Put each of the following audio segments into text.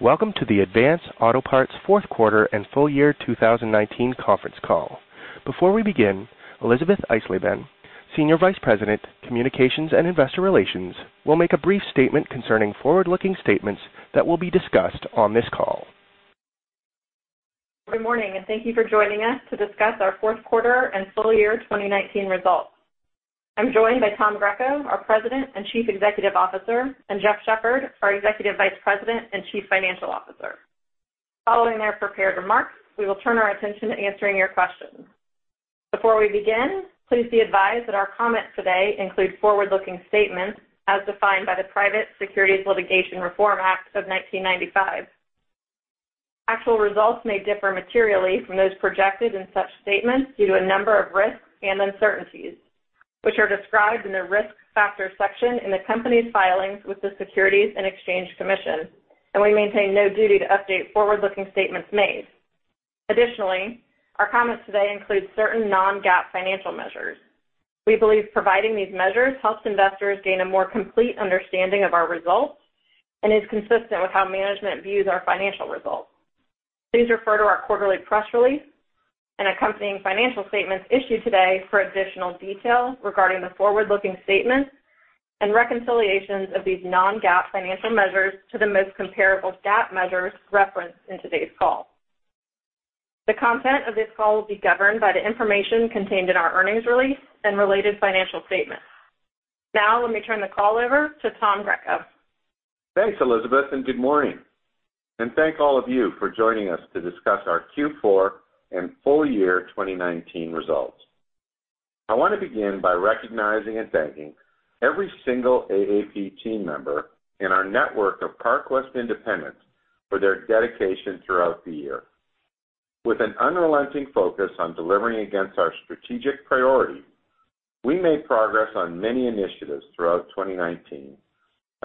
Welcome to the Advance Auto Parts fourth quarter and full-year 2019 conference call. Before we begin, Elisabeth Eisleben, Senior Vice President, Communications and Investor Relations, will make a brief statement concerning forward-looking statements that will be discussed on this call. Good morning. Thank you for joining us to discuss our fourth quarter and full-year 2019 results. I'm joined by Tom Greco, our President and Chief Executive Officer, and Jeff Shepherd, our Executive Vice President and Chief Financial Officer. Following their prepared remarks, we will turn our attention to answering your questions. Before we begin, please be advised that our comments today include forward-looking statements as defined by the Private Securities Litigation Reform Act of 1995. Actual results may differ materially from those projected in such statements due to a number of risks and uncertainties, which are described in the Risk Factors section in the company's filings with the Securities and Exchange Commission. We maintain no duty to update forward-looking statements made. Additionally, our comments today include certain non-GAAP financial measures. We believe providing these measures helps investors gain a more complete understanding of our results and is consistent with how management views our financial results. Please refer to our quarterly press release and accompanying financial statements issued today for additional detail regarding the forward-looking statements and reconciliations of these non-GAAP financial measures to the most comparable GAAP measures referenced in today's call. The content of this call will be governed by the information contained in our earnings release and related financial statements. Let me turn the call over to Tom Greco. Thanks, Elisabeth, good morning, thank all of you for joining us to discuss our Q4 and full-year 2019 results. I want to begin by recognizing and thanking every single AAP team member in our network of Carquest independents for their dedication throughout the year. With an unrelenting focus on delivering against our strategic priorities, we made progress on many initiatives throughout 2019,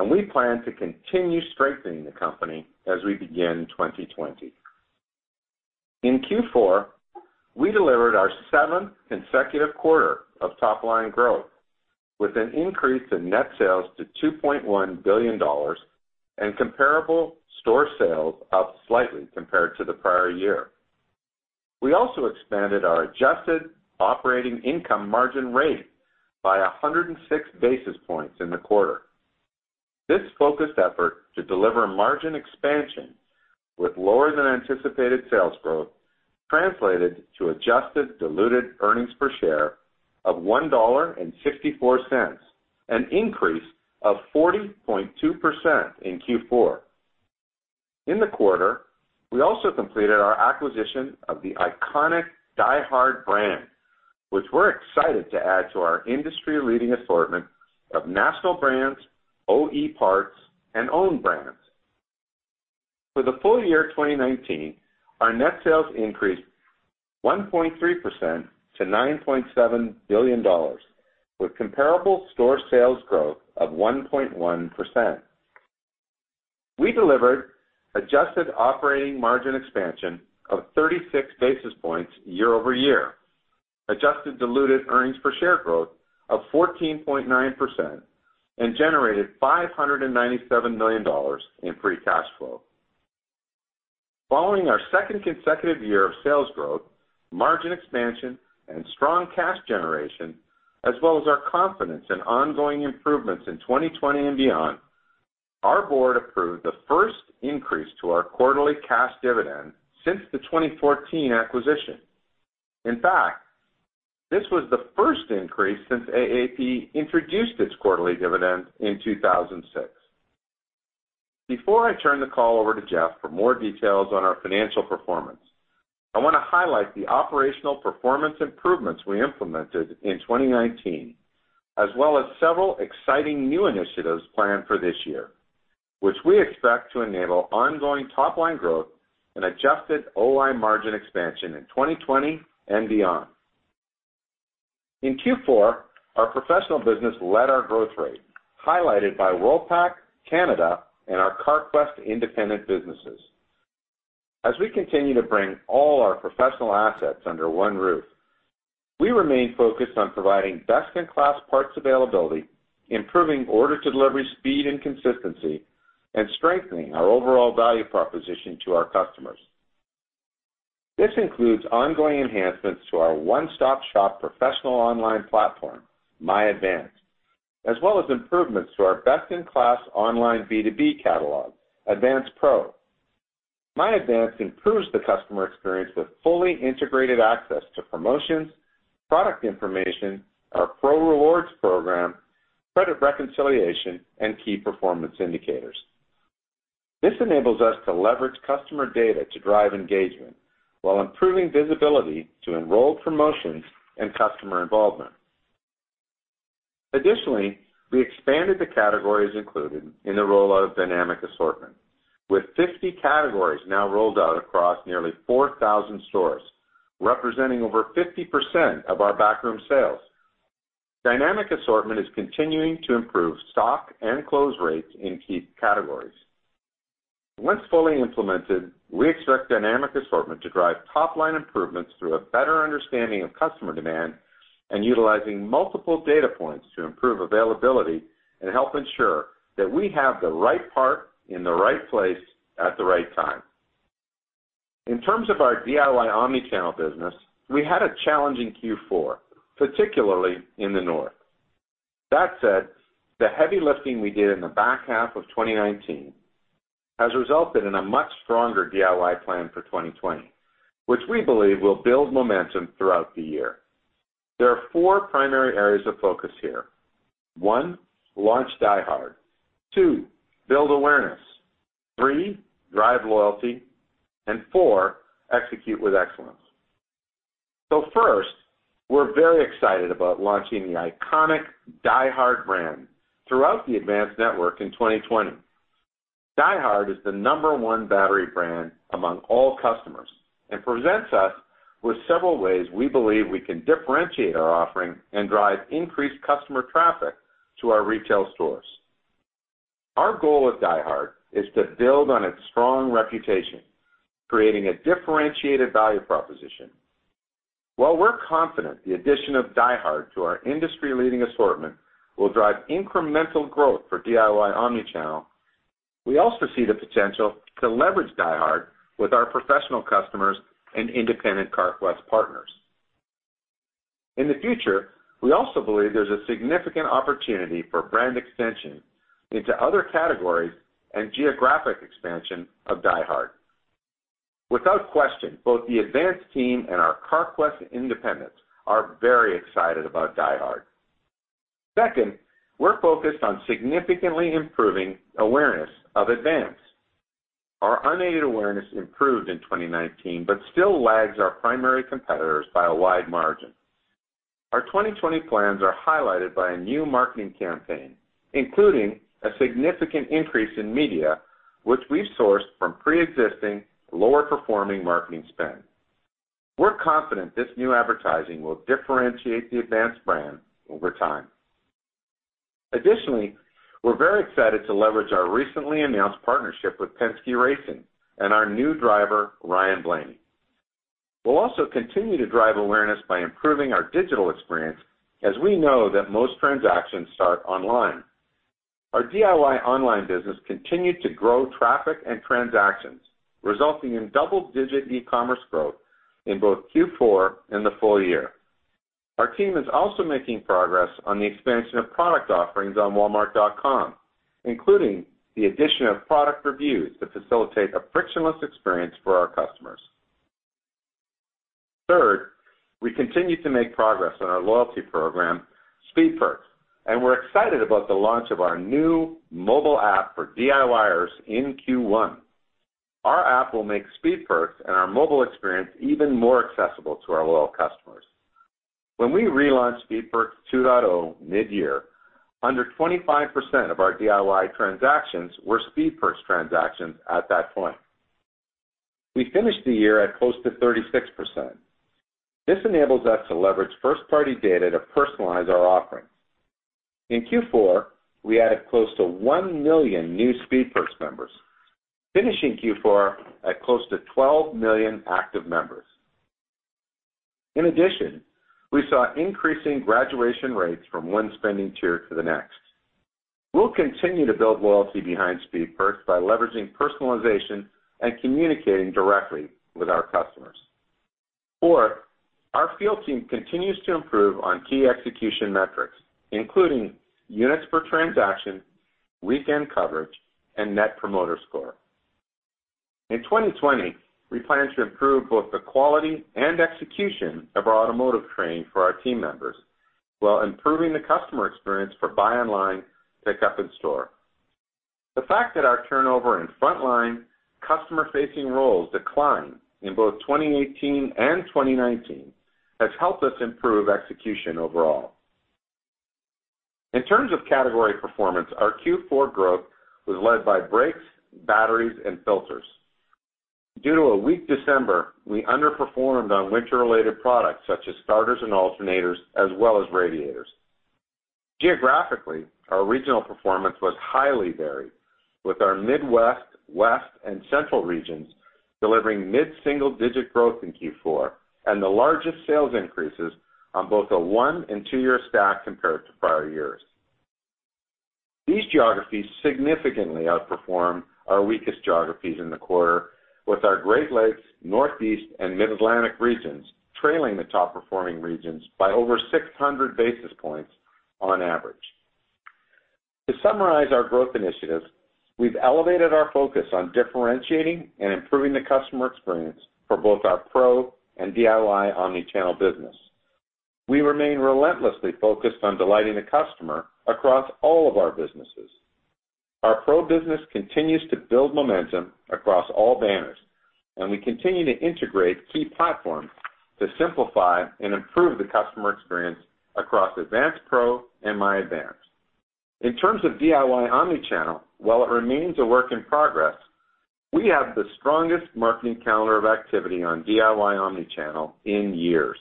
we plan to continue strengthening the company as we begin 2020. In Q4, we delivered our seventh consecutive quarter of top-line growth, with an increase in net sales to $2.1 billion and comparable store sales up slightly compared to the prior year. We also expanded our adjusted operating income margin rate by 106 basis points in the quarter. This focused effort to deliver margin expansion with lower-than-anticipated sales growth translated to adjusted diluted earnings per share of $1.64, an increase of 40.2% in Q4. In the quarter, we also completed our acquisition of the iconic DieHard brand, which we're excited to add to our industry-leading assortment of national brands, OE parts, and own brands. For the full-year 2019, our net sales increased 1.3% to $9.7 billion with comparable store sales growth of 1.1%. We delivered adjusted operating margin expansion of 36 basis points year-over-year, adjusted diluted earnings per share growth of 14.9%, and generated $597 million in free cash flow. Following our second consecutive year of sales growth, margin expansion, and strong cash generation, as well as our confidence in ongoing improvements in 2020 and beyond, our board approved the first increase to our quarterly cash dividend since the 2014 acquisition. In fact, this was the first increase since AAP introduced its quarterly dividend in 2006. Before I turn the call over to Jeff for more details on our financial performance, I want to highlight the operational performance improvements we implemented in 2019, as well as several exciting new initiatives planned for this year, which we expect to enable ongoing top-line growth and adjusted OI margin expansion in 2020 and beyond. In Q4, our professional business led our growth rate, highlighted by Worldpac, Canada, and our Carquest independent businesses. As we continue to bring all our professional assets under one roof, we remain focused on providing best-in-class parts availability, improving order-to-delivery speed and consistency, and strengthening our overall value proposition to our customers. This includes ongoing enhancements to our one-stop-shop professional online platform, myAdvance, as well as improvements to our best-in-class online B2B catalog, Advance Pro. myAdvance improves the customer experience with fully integrated access to promotions, product information, our ProRewards program, credit reconciliation, and key performance indicators. This enables us to leverage customer data to drive engagement while improving visibility to enrolled promotions and customer involvement. Additionally, we expanded the categories included in the rollout of Dynamic Assortment, with 50 categories now rolled out across nearly 4,000 stores, representing over 50% of our backroom sales. Dynamic Assortment is continuing to improve stock and close rates in key categories. Once fully implemented, we expect Dynamic Assortment to drive top-line improvements through a better understanding of customer demand and utilizing multiple data points to improve availability and help ensure that we have the right part in the right place at the right time. In terms of our DIY omni-channel business, we had a challenging Q4, particularly in the north. That said, the heavy lifting we did in the back half of 2019 has resulted in a much stronger DIY plan for 2020, which we believe will build momentum throughout the year. There are four primary areas of focus here. One, launch DieHard. Two, build awareness. Three, drive loyalty, and four, execute with excellence. First, we're very excited about launching the iconic DieHard brand throughout the Advance network in 2020. DieHard is the number one battery brand among all customers and presents us with several ways we believe we can differentiate our offering and drive increased customer traffic to our retail stores. Our goal with DieHard is to build on its strong reputation, creating a differentiated value proposition. While we're confident the addition of DieHard to our industry-leading assortment will drive incremental growth for DIY omni-channel, we also see the potential to leverage DieHard with our professional customers and independent Carquest partners. In the future, we also believe there's a significant opportunity for brand extension into other categories and geographic expansion of DieHard. Without question, both the Advance team and our Carquest independents are very excited about DieHard. Second, we're focused on significantly improving awareness of Advance. Our unaided awareness improved in 2019, but still lags our primary competitors by a wide margin. Our 2020 plans are highlighted by a new marketing campaign, including a significant increase in media, which we sourced from preexisting lower-performing marketing spend. We're confident this new advertising will differentiate the Advance brand over time. Additionally, we're very excited to leverage our recently announced partnership with Penske Racing and our new driver, Ryan Blaney. We'll also continue to drive awareness by improving our digital experience as we know that most transactions start online. Our DIY online business continued to grow traffic and transactions, resulting in double-digit e-commerce growth in both Q4 and the full-year. Our team is also making progress on the expansion of product offerings on walmart.com, including the addition of product reviews to facilitate a frictionless experience for our customers. Third, we continue to make progress on our loyalty program, Speed Perks, and we're excited about the launch of our new mobile app for DIYers in Q1. Our app will make Speed Perks and our mobile experience even more accessible to our loyal customers. When we relaunched Speed Perks 2.0 mid-year, under 25% of our DIY transactions were Speed Perks transactions at that point. We finished the year at close to 36%. This enables us to leverage first-party data to personalize our offerings. In Q4, we added close to 1 million new Speed Perks members, finishing Q4 at close to 12 million active members. In addition, we saw increasing graduation rates from one spending tier to the next. We'll continue to build loyalty behind Speed Perks by leveraging personalization and communicating directly with our customers. Fourth, our field team continues to improve on key execution metrics, including units per transaction, weekend coverage, and net promoter score. In 2020, we plan to improve both the quality and execution of our automotive training for our team members while improving the customer experience for buy online, pickup in store. The fact that our turnover in frontline customer-facing roles declined in both 2018 and 2019 has helped us improve execution overall. In terms of category performance, our Q4 growth was led by brakes, batteries, and filters. Due to a weak December, we underperformed on winter-related products such as starters and alternators, as well as radiators. Geographically, our regional performance was highly varied, with our Midwest, West, and Central regions delivering mid-single-digit growth in Q4 and the largest sales increases on both a one- and two-year stack compared to prior years. These geographies significantly outperformed our weakest geographies in the quarter with our Great Lakes, Northeast, and Mid-Atlantic regions trailing the top-performing regions by over 600 basis points on average. To summarize our growth initiatives, we've elevated our focus on differentiating and improving the customer experience for both our Pro and DIY omni-channel business. We remain relentlessly focused on delighting the customer across all of our businesses. Our Pro business continues to build momentum across all banners, and we continue to integrate key platforms to simplify and improve the customer experience across Advance Pro and myAdvance. In terms of DIY omni-channel, while it remains a work in progress, we have the strongest marketing calendar of activity on DIY omni-channel in years.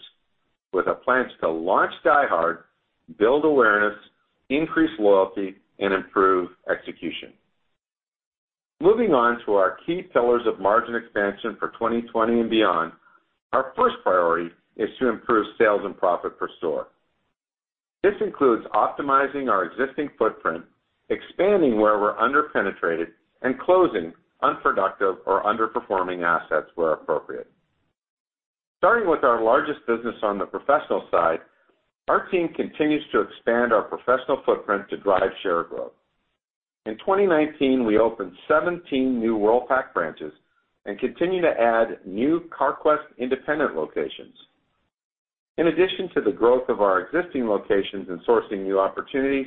With our plans to launch DieHard, build awareness, increase loyalty, and improve execution. Moving on to our key pillars of margin expansion for 2020 and beyond, our first priority is to improve sales and profit per store. This includes optimizing our existing footprint, expanding where we're under-penetrated, and closing unproductive or underperforming assets where appropriate. Starting with our largest business on the professional side, our team continues to expand our professional footprint to drive share growth. In 2019, we opened 17 new Worldpac branches and continue to add new Carquest independent locations. In addition to the growth of our existing locations and sourcing new opportunities,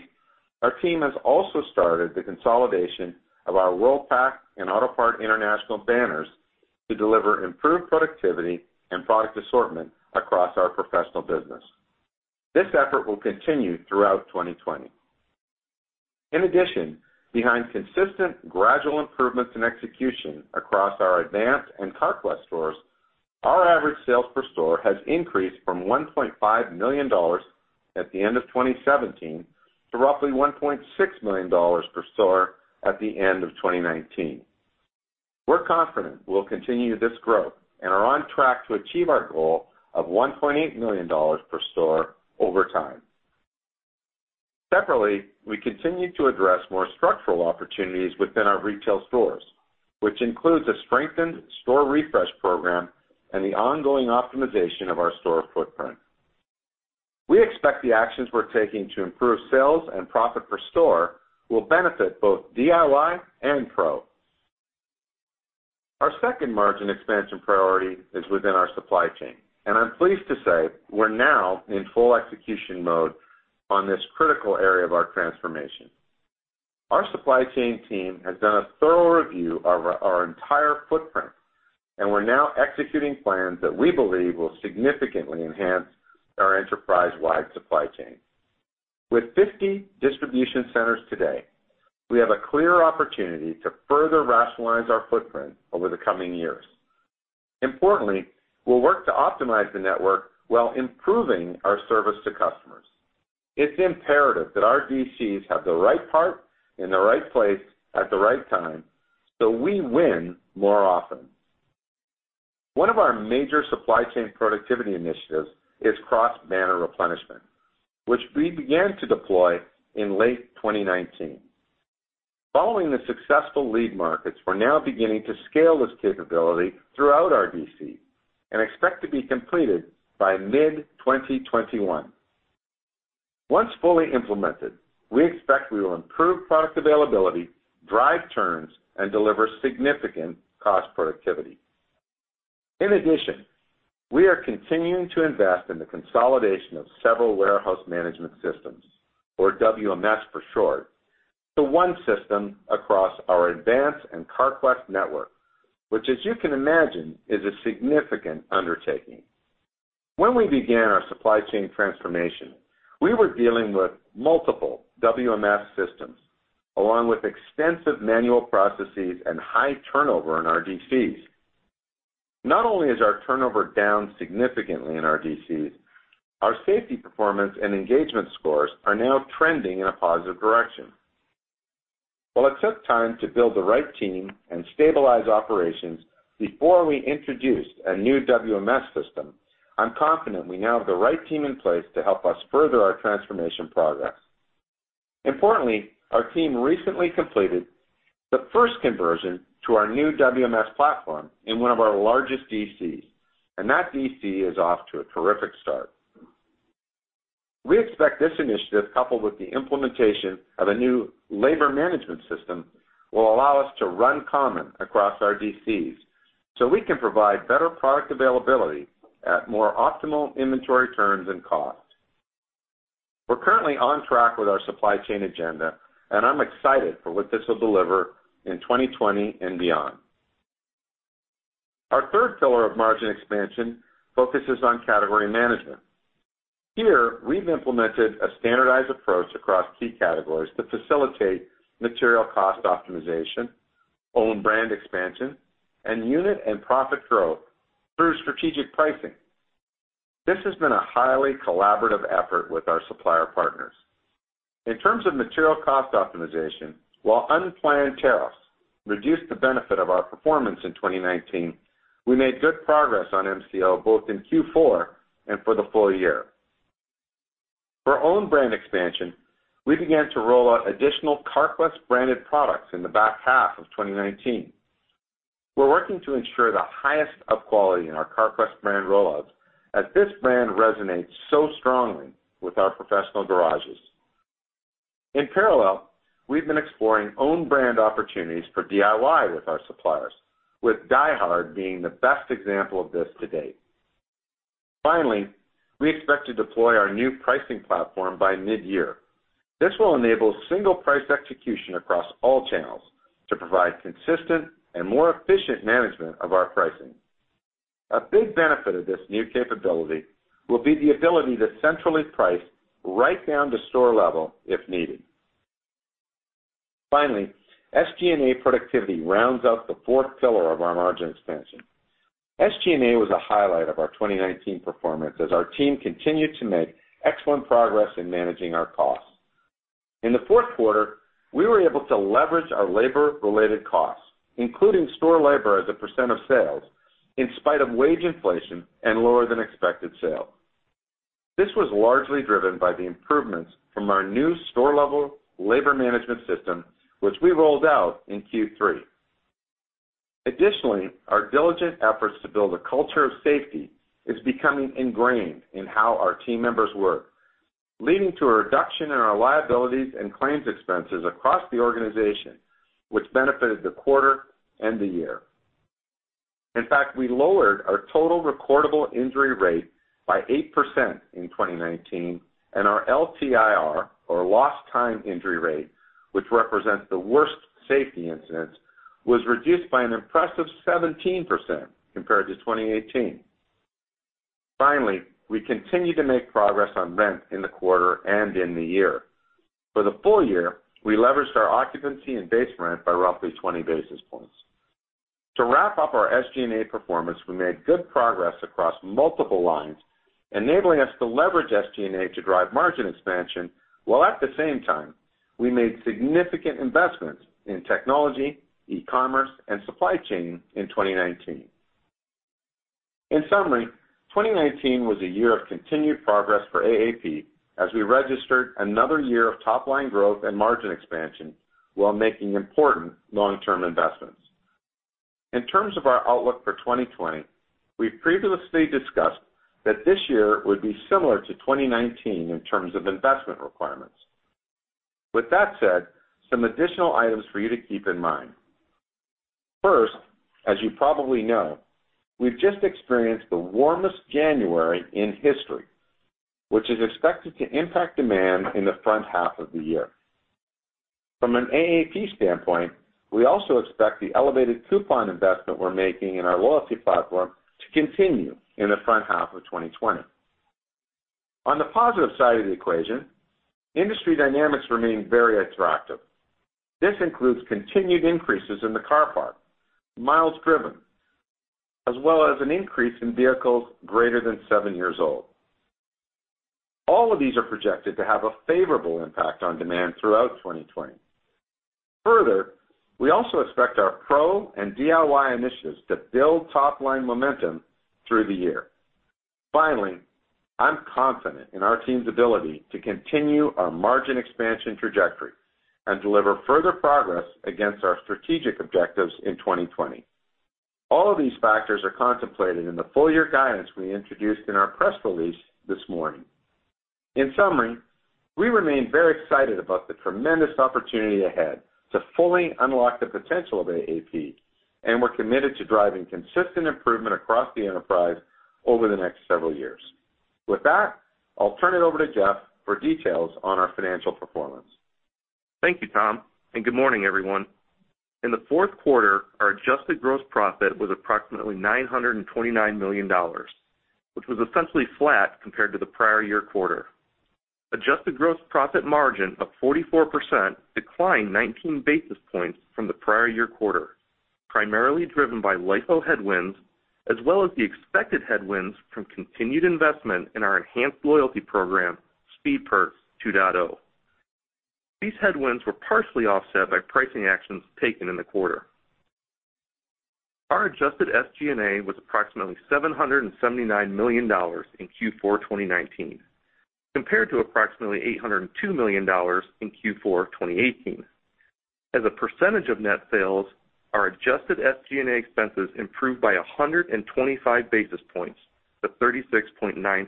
our team has also started the consolidation of our Worldpac and Autopart International banners to deliver improved productivity and product assortment across our professional business. This effort will continue throughout 2020. In addition, behind consistent, gradual improvements in execution across our Advance and Carquest stores, our average sales per store has increased from $1.5 million at the end of 2017 to roughly $1.6 million per store at the end of 2019. We're confident we'll continue this growth and are on track to achieve our goal of $1.8 million per store over time. Separately, we continue to address more structural opportunities within our retail stores, which includes a strengthened store refresh program and the ongoing optimization of our store footprint. We expect the actions we're taking to improve sales and profit per store will benefit both DIY and pro. Our second margin expansion priority is within our supply chain, and I'm pleased to say we're now in full execution mode on this critical area of our transformation. Our supply chain team has done a thorough review of our entire footprint, and we're now executing plans that we believe will significantly enhance our enterprise-wide supply chain. With 50 distribution centers today, we have a clear opportunity to further rationalize our footprint over the coming years. We'll work to optimize the network while improving our service to customers. It's imperative that our DCs have the right part in the right place at the right time, we win more often. One of our major supply chain productivity initiatives is cross-banner replenishment, which we began to deploy in late 2019. Following the successful lead markets, we're now beginning to scale this capability throughout our DCs and expect to be completed by mid-2021. Once fully implemented, we expect we will improve product availability, drive turns, and deliver significant cost productivity. In addition, we are continuing to invest in the consolidation of several warehouse management systems, or WMS for short, to one system across our Advance and Carquest network, which, as you can imagine, is a significant undertaking. When we began our supply chain transformation, we were dealing with multiple WMS systems, along with extensive manual processes and high turnover in our DCs. Not only is our turnover down significantly in our DCs, our safety performance and engagement scores are now trending in a positive direction. While it took time to build the right team and stabilize operations before we introduced a new WMS system, I'm confident we now have the right team in place to help us further our transformation progress. Importantly, our team recently completed the first conversion to our new WMS platform in one of our largest DCs, and that DC is off to a terrific start. We expect this initiative, coupled with the implementation of a new labor management system, will allow us to run common across our DCs so we can provide better product availability at more optimal inventory turns and costs. We're currently on track with our supply chain agenda, and I'm excited for what this will deliver in 2020 and beyond. Our third pillar of margin expansion focuses on category management. Here, we've implemented a standardized approach across key categories to facilitate material cost optimization, own brand expansion, and unit and profit growth through strategic pricing. This has been a highly collaborative effort with our supplier partners. In terms of material cost optimization, while unplanned tariffs reduced the benefit of our performance in 2019, we made good progress on MCO both in Q4 and for the full-year. For own brand expansion, we began to roll out additional Carquest-branded products in the back half of 2019. We're working to ensure the highest of quality in our Carquest brand rollouts, as this brand resonates so strongly with our professional garages. In parallel, we've been exploring own brand opportunities for DIY with our suppliers, with DieHard being the best example of this to date. Finally, we expect to deploy our new pricing platform by mid-year. This will enable single price execution across all channels to provide consistent and more efficient management of our pricing. A big benefit of this new capability will be the ability to centrally price right down to store level if needed. Finally, SG&A productivity rounds out the fourth pillar of our margin expansion. SG&A was a highlight of our 2019 performance, as our team continued to make excellent progress in managing our costs. In the fourth quarter, we were able to leverage our labor-related costs, including store labor as a % of sales, in spite of wage inflation and lower than expected sales. This was largely driven by the improvements from our new store-level labor management system, which we rolled out in Q3. Additionally, our diligent efforts to build a culture of safety is becoming ingrained in how our team members work, leading to a reduction in our liabilities and claims expenses across the organization, which benefited the quarter and the year. In fact, we lowered our total recordable injury rate by 8% in 2019, and our LTIR, or lost time injury rate, which represents the worst safety incidents, was reduced by an impressive 17% compared to 2018. We continue to make progress on rent in the quarter and in the year. For the full-year, we leveraged our occupancy and base rent by roughly 20 basis points. To wrap up our SG&A performance, we made good progress across multiple lines, enabling us to leverage SG&A to drive margin expansion, while at the same time, we made significant investments in technology, e-commerce, and supply chain in 2019. In summary, 2019 was a year of continued progress for AAP as we registered another year of top-line growth and margin expansion while making important long-term investments. In terms of our outlook for 2020, we've previously discussed that this year would be similar to 2019 in terms of investment requirements. With that said, some additional items for you to keep in mind. First, as you probably know, we've just experienced the warmest January in history, which is expected to impact demand in the front half of the year. From an AAP standpoint, we also expect the elevated coupon investment we're making in our loyalty platform to continue in the front half of 2020. On the positive side of the equation, industry dynamics remain very attractive. This includes continued increases in the car park, miles driven, as well as an increase in vehicles greater than seven years old. All of these are projected to have a favorable impact on demand throughout 2020. Further, we also expect our Pro and DIY initiatives to build top-line momentum through the year. Finally, I'm confident in our team's ability to continue our margin expansion trajectory and deliver further progress against our strategic objectives in 2020. All of these factors are contemplated in the full-year guidance we introduced in our press release this morning. In summary, we remain very excited about the tremendous opportunity ahead to fully unlock the potential of AAP, and we're committed to driving consistent improvement across the enterprise over the next several years. With that, I'll turn it over to Jeff for details on our financial performance. Thank you, Tom. Good morning, everyone. In the fourth quarter, our adjusted gross profit was approximately $929 million, which was essentially flat compared to the prior year quarter. Adjusted gross profit margin of 44% declined 19 basis points from the prior year quarter, primarily driven by LIFO headwinds, as well as the expected headwinds from continued investment in our enhanced loyalty program, Speed Perks 2.0. These headwinds were partially offset by pricing actions taken in the quarter. Our adjusted SG&A was approximately $779 million in Q4 2019, compared to approximately $802 million in Q4 2018. As a percentage of net sales, our adjusted SG&A expenses improved by 125 basis points to 36.9%.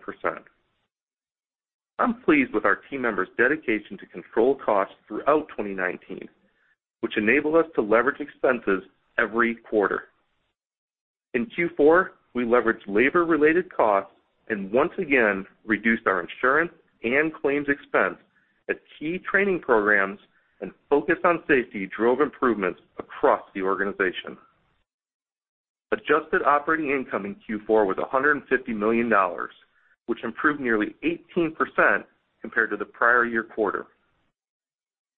I'm pleased with our team members' dedication to control costs throughout 2019, which enable us to leverage expenses every quarter. In Q4, we leveraged labor-related costs and once again reduced our insurance and claims expense as key training programs and focus on safety drove improvements across the organization. Adjusted operating income in Q4 was $150 million, which improved nearly 18% compared to the prior year quarter.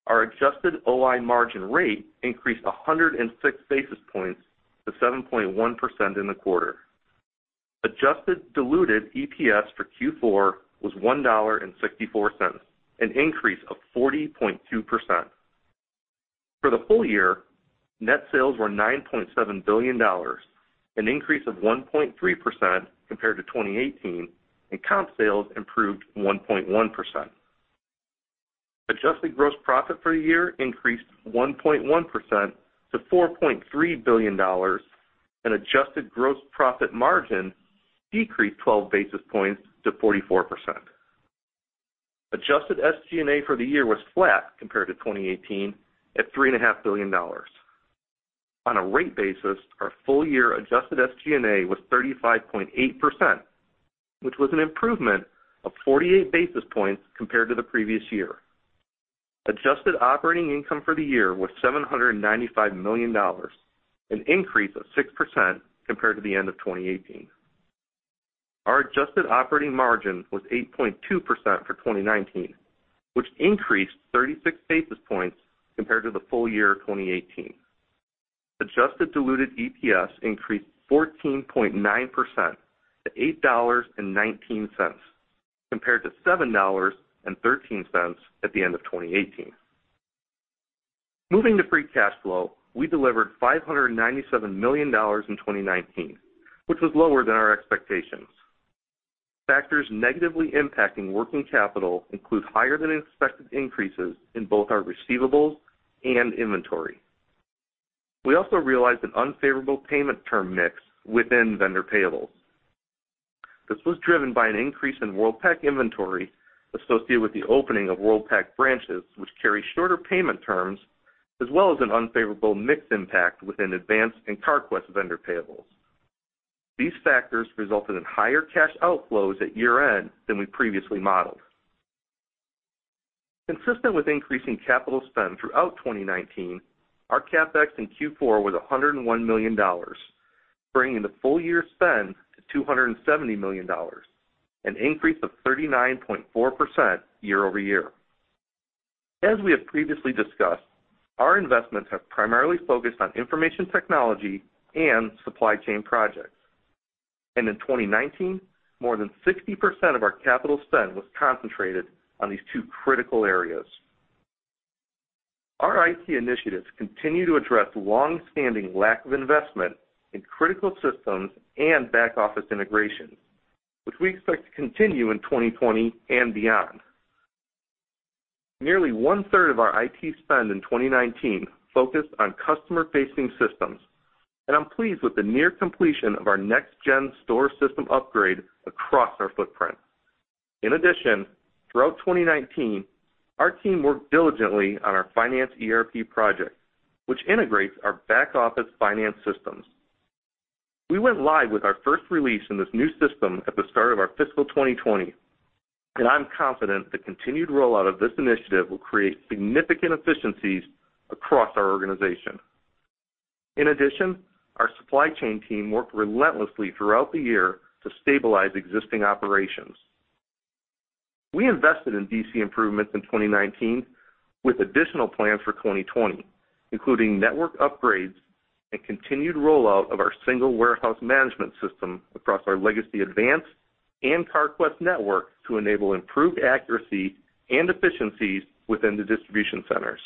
Our adjusted OI margin rate increased 106 basis points to 7.1% in the quarter. Adjusted diluted EPS for Q4 was $1.64, an increase of 40.2%. For the full-year, net sales were $9.7 billion, an increase of 1.3% compared to 2018, and comp sales improved 1.1%. Adjusted gross profit for the year increased 1.1% to $4.3 billion, and adjusted gross profit margin decreased 12 basis points to 44%. Adjusted SG&A for the year was flat compared to 2018, at $3.5 billion. On a rate basis, our full-year adjusted SG&A was 35.8%, which was an improvement of 48 basis points compared to the previous year. Adjusted operating income for the year was $795 million, an increase of 6% compared to the end of 2018. Our adjusted operating margin was 8.2% for 2019, which increased 36 basis points compared to the full-year 2018. Adjusted diluted EPS increased 14.9% to $8.19 compared to $7.13 at the end of 2018. Moving to free cash flow, we delivered $597 million in 2019, which was lower than our expectations. Factors negatively impacting working capital include higher than expected increases in both our receivables and inventory. We also realized an unfavorable payment term mix within vendor payables. This was driven by an increase in Worldpac inventory associated with the opening of Worldpac branches, which carry shorter payment terms, as well as an unfavorable mix impact within Advance and Carquest vendor payables. These factors resulted in higher cash outflows at year-end than we previously modeled. Consistent with increasing capital spend throughout 2019, our CapEx in Q4 was $101 million, bringing the full-year spend to $270 million, an increase of 39.4% year-over-year. As we have previously discussed, our investments have primarily focused on information technology and supply chain projects, in 2019, more than 60% of our capital spend was concentrated on these two critical areas. Our IT initiatives continue to address long-standing lack of investment in critical systems and back-office integrations, which we expect to continue in 2020 and beyond. Nearly 1/3 of our IT spend in 2019 focused on customer-facing systems, and I'm pleased with the near completion of our next-gen store system upgrade across our footprint. In addition, throughout 2019, our team worked diligently on our finance ERP project, which integrates our back-office finance systems. We went live with our first release in this new system at the start of our fiscal 2020, and I'm confident the continued rollout of this initiative will create significant efficiencies across our organization. In addition, our supply chain team worked relentlessly throughout the year to stabilize existing operations. We invested in DC improvements in 2019 with additional plans for 2020, including network upgrades and continued rollout of our single Warehouse Management System across our legacy Advance and Carquest network to enable improved accuracy and efficiencies within the distribution centers.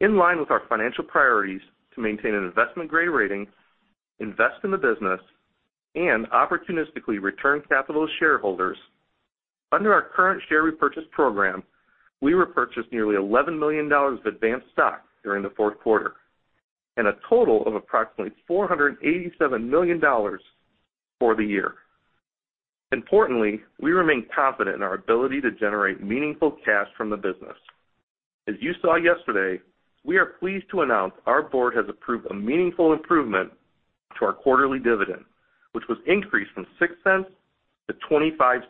In line with our financial priorities to maintain an investment-grade rating, invest in the business, and opportunistically return capital to shareholders, under our current share repurchase program, we repurchased nearly $11 million of Advance stock during the fourth quarter and a total of approximately $487 million for the year. Importantly, we remain confident in our ability to generate meaningful cash from the business. As you saw yesterday, we are pleased to announce our board has approved a meaningful improvement to our quarterly dividend, which was increased from $0.06-$0.25.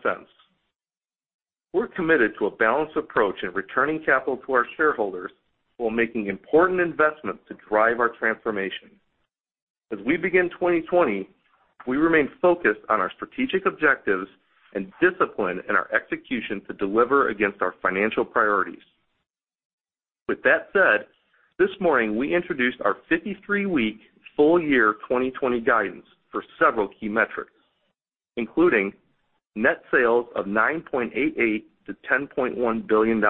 We're committed to a balanced approach in returning capital to our shareholders while making important investments to drive our transformation. As we begin 2020, we remain focused on our strategic objectives and discipline in our execution to deliver against our financial priorities. With that said, this morning, we introduced our 53-week full-year 2020 guidance for several key metrics, including net sales of $9.88 billion-$10.1 billion,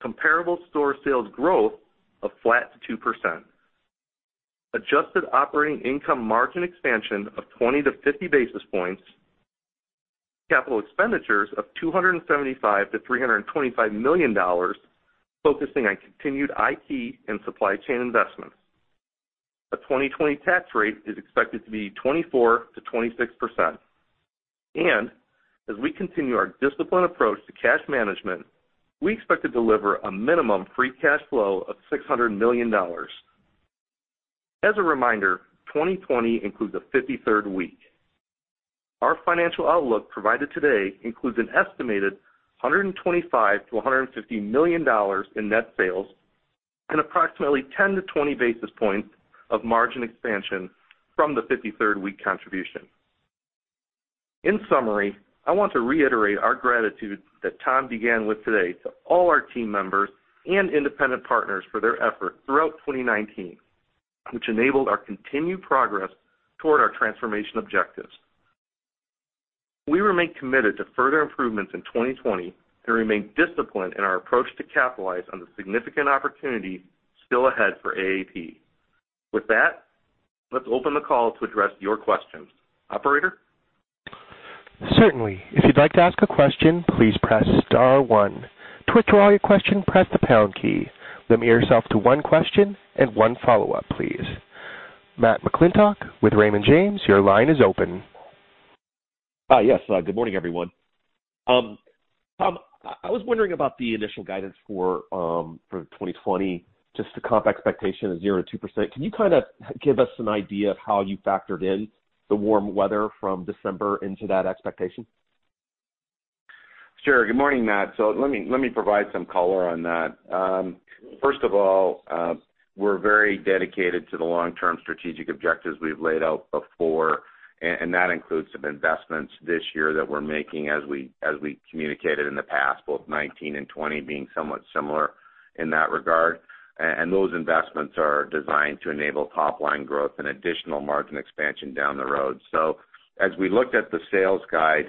comparable store sales growth of flat to 2%, adjusted operating income margin expansion of 20 to 50 basis points, capital expenditures of $275 million-$325 million focusing on continued IT and supply chain investments. A 2020 tax rate is expected to be 24%-26%, and as we continue our disciplined approach to cash management, we expect to deliver a minimum free cash flow of $600 million. As a reminder, 2020 includes a 53rd week. Our financial outlook provided today includes an estimated $125 million-$150 million in net sales and approximately 10-20 basis points of margin expansion from the 53rd week contribution. In summary, I want to reiterate our gratitude that Tom began with today to all our team members and independent partners for their effort throughout 2019, which enabled our continued progress toward our transformation objectives. We remain committed to further improvements in 2020 and remain disciplined in our approach to capitalize on the significant opportunities still ahead for AAP. With that, let's open the call to address your questions. Operator? Certainly. If you'd like to ask a question, please press star one. To withdraw your question, press the pound key. Limit yourself to one question and one follow-up, please. Matt McClintock with Raymond James, your line is open. Yes. Good morning, everyone. Tom, I was wondering about the initial guidance for 2020, just the comp expectation of 0%-2%. Can you kind of give us an idea of how you factored in the warm weather from December into that expectation? Sure. Good morning, Matt. Let me provide some color on that. First of all, we're very dedicated to the long-term strategic objectives we've laid out before, and that includes some investments this year that we're making as we communicated in the past, both 2019 and 2020 being somewhat similar in that regard. Those investments are designed to enable top-line growth and additional margin expansion down the road. As we looked at the sales guide,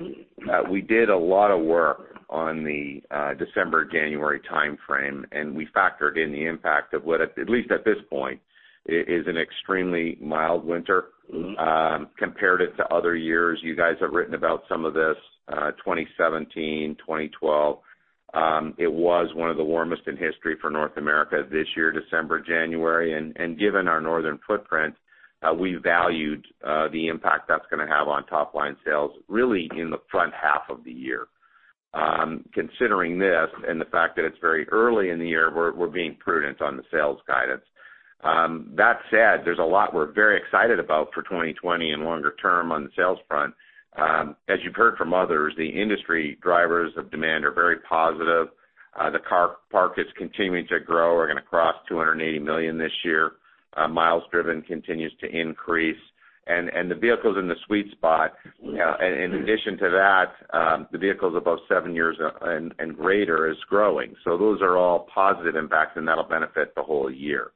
we did a lot of work on the December, January timeframe, and we factored in the impact of what, at least at this point, is an extremely mild winter compared it to other years. You guys have written about some of this, 2017, 2012. It was one of the warmest in history for North America this year, December, January, and given our northern footprint, we valued the impact that's going to have on top-line sales really in the front half of the year. Considering this and the fact that it's very early in the year, we're being prudent on the sales guidance. That said, there's a lot we're very excited about for 2020 and longer-term on the sales front. As you've heard from others, the industry drivers of demand are very positive. The car park is continuing to grow. We're going to cross 280 million this year. Miles driven continues to increase. The vehicles in the sweet spot, in addition to that, the vehicles above seven years and greater is growing. Those are all positive impacts, and that'll benefit the whole year.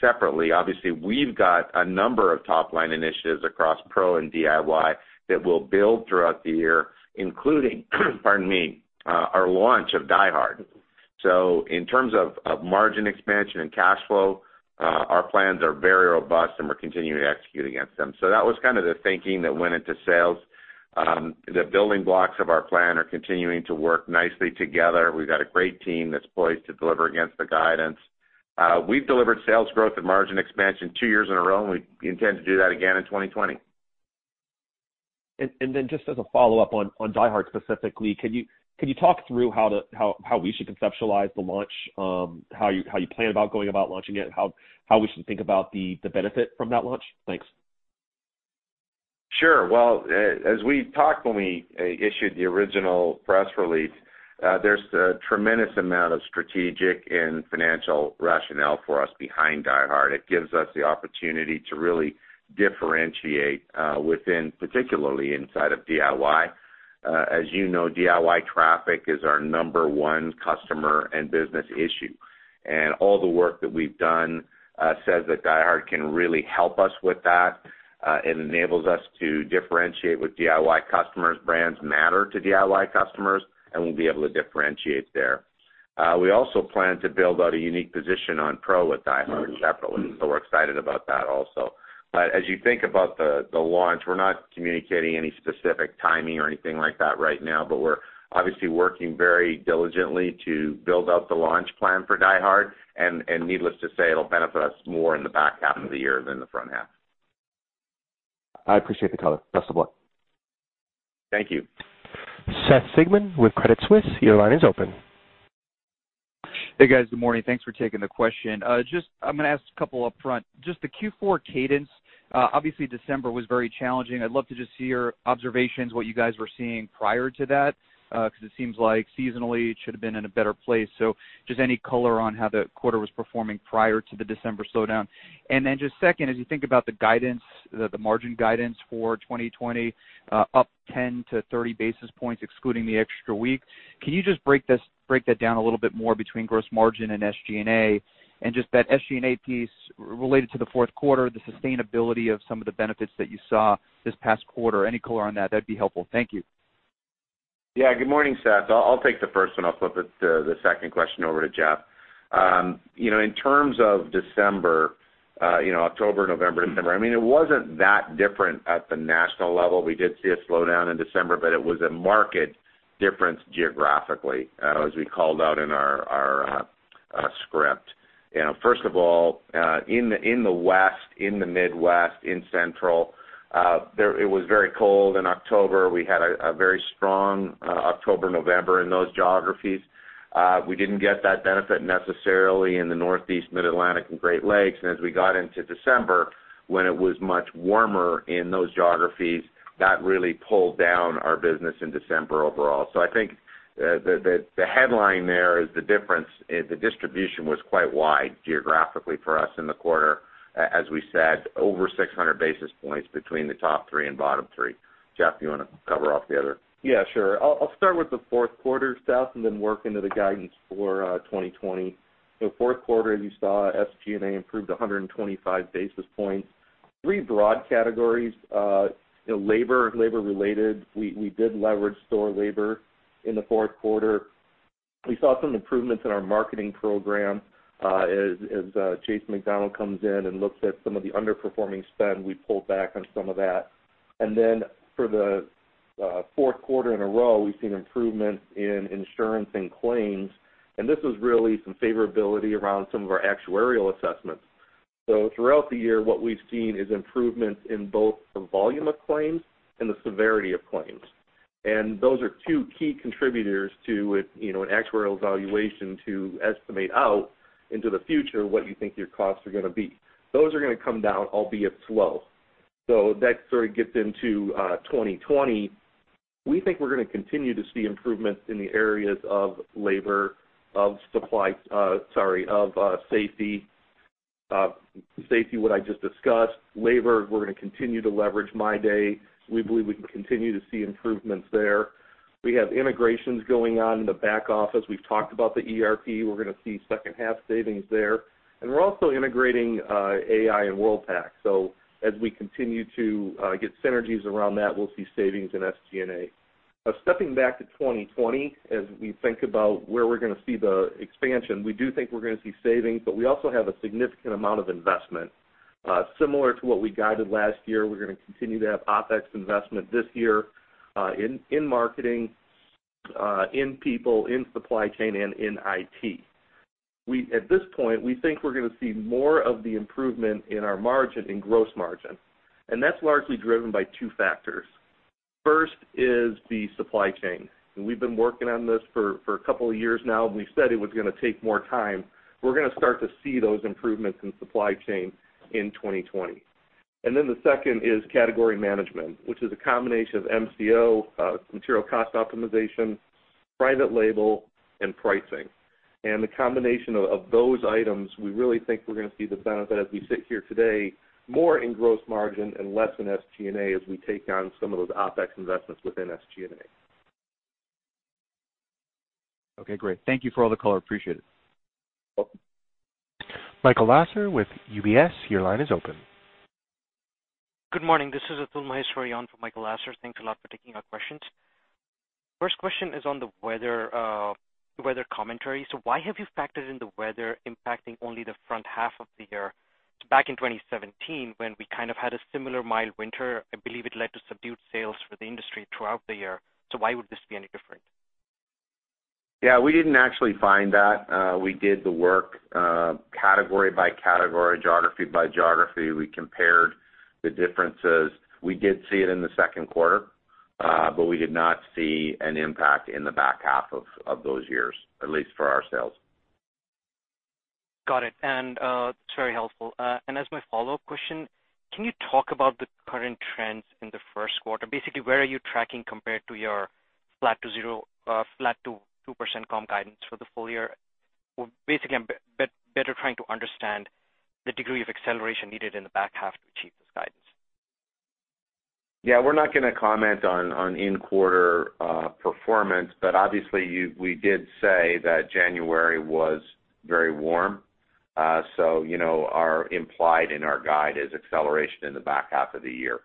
Separately, obviously, we've got a number of top-line initiatives across Pro and DIY that will build throughout the year, including pardon me, our launch of DieHard. In terms of margin expansion and cash flow, our plans are very robust, and we're continuing to execute against them. That was kind of the thinking that went into sales. The building blocks of our plan are continuing to work nicely together. We've got a great team that's poised to deliver against the guidance. We've delivered sales growth and margin expansion two years in a row, and we intend to do that again in 2020. Just as a follow-up on DieHard specifically, can you talk through how we should conceptualize the launch? How you plan about going about launching it, how we should think about the benefit from that launch? Thanks. Sure. Well, as we talked when we issued the original press release, there's a tremendous amount of strategic and financial rationale for us behind DieHard. It gives us the opportunity to really differentiate within, particularly inside of DIY. As you know, DIY traffic is our number one customer and business issue. All the work that we've done says that DieHard can really help us with that. It enables us to differentiate with DIY customers, brands matter to DIY customers, and we'll be able to differentiate there. We also plan to build out a unique position on Pro with DieHard separately. We're excited about that also. As you think about the launch, we're not communicating any specific timing or anything like that right now, but we're obviously working very diligently to build out the launch plan for DieHard, and needless to say, it'll benefit us more in the back half of the year than the front half. I appreciate the color. Best of luck. Thank you. Seth Sigman with Credit Suisse, your line is open. Hey, guys. Good morning. Thanks for taking the question. I'm going to ask a couple upfront. Just the Q4 cadence, obviously December was very challenging. I'd love to just see your observations, what you guys were seeing prior to that, because it seems like seasonally it should have been in a better place. Just any color on how the quarter was performing prior to the December slowdown. Just second, as you think about the margin guidance for 2020, up 10-30 basis points excluding the extra week. Can you just break that down a little bit more between gross margin and SG&A? Just that SG&A piece related to the fourth quarter, the sustainability of some of the benefits that you saw this past quarter. Any color on that? That'd be helpful. Thank you. Good morning, Seth. I'll take the first one. I'll flip the second question over to Jeff. In terms of December, October, November, December, it wasn't that different at the national level. We did see a slowdown in December, but it was a market difference geographically, as we called out in our script. First of all, in the West, in the Midwest, in Central, it was very cold in October. We had a very strong October, November in those geographies. We didn't get that benefit necessarily in the Northeast, Mid-Atlantic, and Great Lakes. As we got into December, when it was much warmer in those geographies, that really pulled down our business in December overall. I think the headline there is the difference. The distribution was quite wide geographically for us in the quarter. As we said, over 600 basis points between the top three and bottom three. Jeff, you want to cover off the other? Yeah, sure. I'll start with the fourth quarter stuff and then work into the guidance for 2020. Fourth quarter, as you saw, SG&A improved 125 basis points. Three broad categories. Labor, labor-related. We did leverage store labor in the fourth quarter. We saw some improvements in our marketing program. As Jason McDonell comes in and looks at some of the underperforming spend, we pulled back on some of that. Then for the fourth quarter in a row, we've seen improvements in insurance and claims, and this is really some favorability around some of our actuarial assessments. Throughout the year, what we've seen is improvements in both the volume of claims and the severity of claims. Those are two key contributors to an actuarial evaluation to estimate out into the future what you think your costs are going to be. Those are going to come down, albeit slow. That sort of gets into 2020. We think we're going to continue to see improvements in the areas of labor, of supply, sorry, of safety. Safety, what I just discussed. Labor, we're going to continue to leverage MyDay. We believe we can continue to see improvements there. We have integrations going on in the back office. We've talked about the ERP. We're going to see second half savings there. We're also integrating AI and Worldpac. As we continue to get synergies around that, we'll see savings in SG&A. Stepping back to 2020, as we think about where we're going to see the expansion, we do think we're going to see savings, but we also have a significant amount of investment. Similar to what we guided last year, we're going to continue to have OpEx investment this year, in marketing, in people, in supply chain, and in IT. At this point, we think we're going to see more of the improvement in our margin, in gross margin, and that's largely driven by two factors. First is the supply chain. We've been working on this for a couple of years now, and we've said it was going to take more time. We're going to start to see those improvements in supply chain in 2020. The second is category management, which is a combination of MCO, material cost optimization, private label, and pricing. The combination of those items, we really think we're going to see the benefit as we sit here today, more in gross margin and less in SG&A as we take on some of those OpEx investments within SG&A. Okay, great. Thank you for all the color. Appreciate it. Welcome. Michael Lasser with UBS, your line is open. Good morning. This is Atul Maheswari on for Michael Lasser. Thanks a lot for taking our questions. First question is on the weather commentary. Why have you factored in the weather impacting only the front half of the year? Back in 2017, when we kind of had a similar mild winter, I believe it led to subdued sales for the industry throughout the year. Why would this be any different? Yeah, we didn't actually find that. We did the work category by category, geography by geography. We compared the differences. We did see it in the second quarter, but we did not see an impact in the back half of those years, at least for our sales. Got it. It's very helpful. As my follow-up question, can you talk about the current trends in the first quarter? Basically, where are you tracking compared to your flat to 2% comp guidance for the full-year? Basically, I'm better trying to understand the degree of acceleration needed in the back half to achieve this guidance. Yeah, we're not going to comment on in-quarter performance, but obviously, we did say that January was very warm. Our implied in our guide is acceleration in the back half of the year.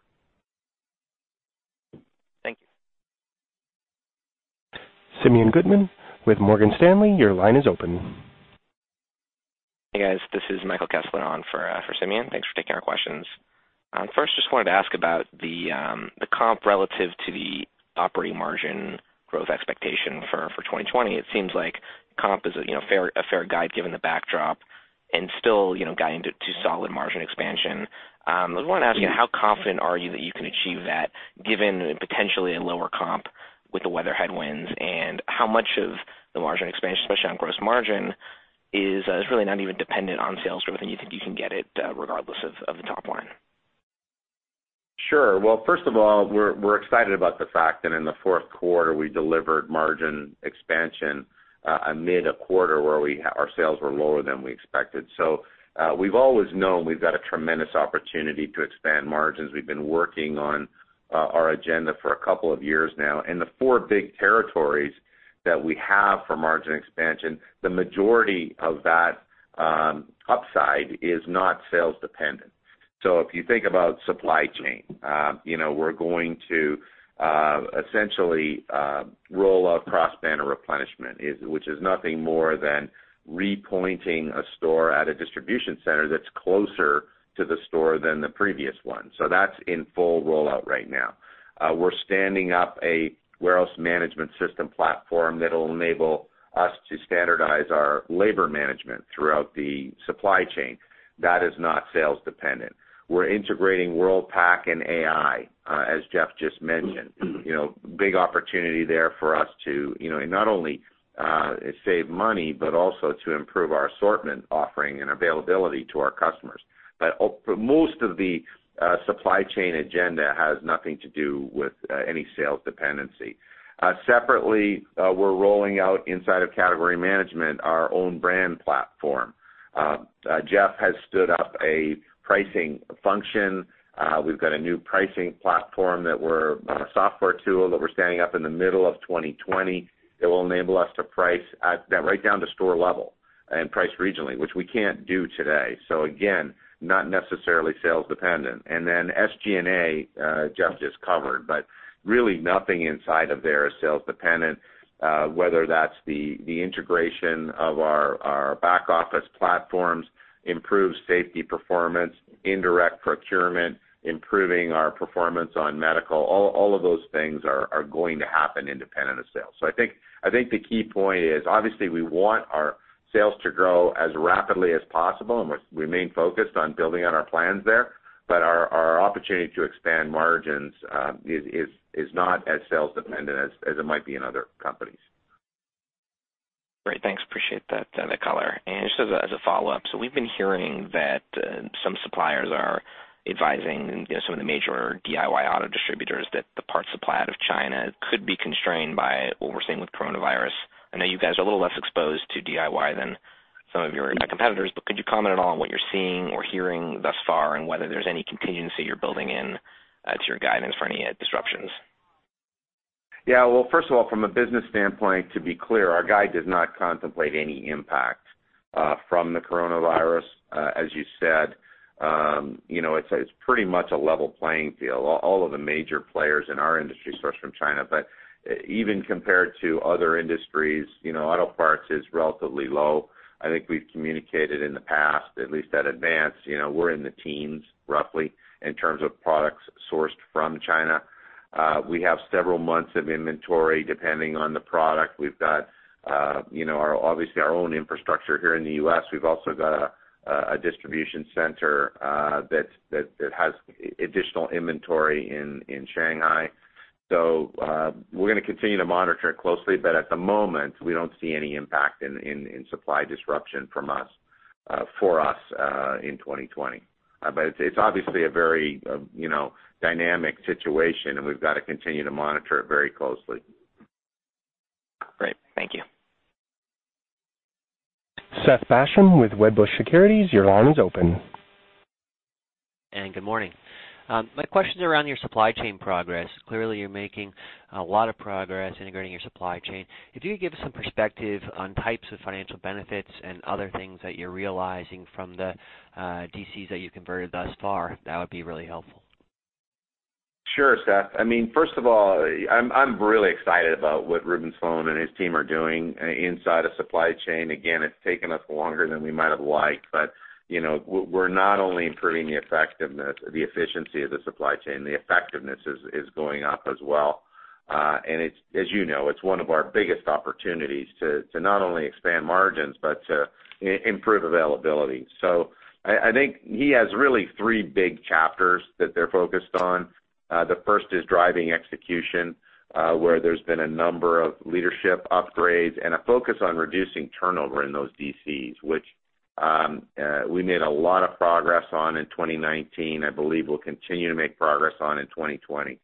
Thank you. Simeon Gutman with Morgan Stanley, your line is open. Hey, guys. This is Michael Kislin on for Simeon. Thanks for taking our questions. Just wanted to ask about the comp relative to the operating margin growth expectation for 2020. It seems like comp is a fair guide given the backdrop and still guiding to solid margin expansion. I was wanting to ask you, how confident are you that you can achieve that given potentially a lower comp with the weather headwinds? How much of the margin expansion, especially on gross margin, is really not even dependent on sales growth and you think you can get it regardless of the top line? Sure. Well, first of all, we're excited about the fact that in the fourth quarter, we delivered margin expansion amid a quarter where our sales were lower than we expected. We've always known we've got a tremendous opportunity to expand margins. We've been working on our agenda for a couple of years now. The four big territories that we have for margin expansion, the majority of that upside is not sales dependent. If you think about supply chain, we're going to essentially roll out cross-banner replenishment, which is nothing more than repointing a store at a distribution center that's closer to the store than the previous one. That's in full rollout right now. We're standing up a warehouse management system platform that'll enable us to standardize our labor management throughout the supply chain. That is not sales dependent. We're integrating Worldpac and AI, as Jeff just mentioned. Big opportunity there for us to not only save money, but also to improve our assortment offering and availability to our customers. Most of the supply chain agenda has nothing to do with any sales dependency. Separately, we're rolling out inside of category management, our own brand platform. Jeff has stood up a pricing function. We've got a new pricing platform, a software tool that we're standing up in the middle of 2020 that will enable us to price right down to store level and price regionally, which we can't do today. Again, not necessarily sales dependent. Then SG&A, Jeff just covered, but really nothing inside of there is sales dependent. Whether that's the integration of our back office platforms, improved safety performance, indirect procurement, improving our performance on medical, all of those things are going to happen independent of sales. I think the key point is, obviously, we want our sales to grow as rapidly as possible, and we remain focused on building out our plans there. Our opportunity to expand margins is not as sales dependent as it might be in other companies. Great. Thanks. Appreciate that color. Just as a follow-up, we've been hearing that some suppliers are advising some of the major DIY auto distributors that the parts supply out of China could be constrained by what we're seeing with coronavirus. I know you guys are a little less exposed to DIY than some of your competitors, could you comment at all on what you're seeing or hearing thus far, and whether there's any contingency you're building in to your guidance for any disruptions? Yeah. Well, first of all, from a business standpoint, to be clear, our guide does not contemplate any impact from the coronavirus. As you said, it's pretty much a level playing field. All of the major players in our industry source from China. Even compared to other industries, auto parts is relatively low. I think we've communicated in the past, at least at Advance, we're in the teens, roughly, in terms of products sourced from China. We have several months of inventory, depending on the product. We've got obviously our own infrastructure here in the U.S. We've also got a distribution center that has additional inventory in Shanghai. We're going to continue to monitor it closely, but at the moment, we don't see any impact in supply disruption for us in 2020. It's obviously a very dynamic situation, and we've got to continue to monitor it very closely. Great. Thank you. Seth Basham with Wedbush Securities, your line is open. Good morning. My question's around your supply chain progress. Clearly, you're making a lot of progress integrating your supply chain. If you could give us some perspective on types of financial benefits and other things that you're realizing from the DCs that you converted thus far, that would be really helpful. Sure, Seth. First of all, I'm really excited about what Reuben Slone and his team are doing inside of supply chain. Again, it's taken us longer than we might have liked, but we're not only improving the efficiency of the supply chain, the effectiveness is going up as well. As you know, it's one of our biggest opportunities to not only expand margins, but to improve availability. I think he has really three big chapters that they're focused on. The first is driving execution, where there's been a number of leadership upgrades and a focus on reducing turnover in those DCs, which we made a lot of progress on in 2019, I believe we'll continue to make progress on in 2020.